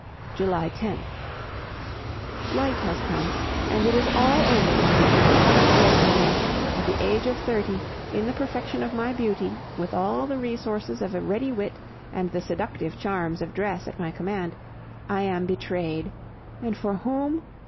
July 10th. Light has come, and it is all over with me. Yes, Renee, at the age of thirty, in the perfection of my beauty, with all the resources of a ready wit and the seductive charms of dress at my command, I am betrayed and for whom?